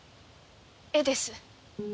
絵です。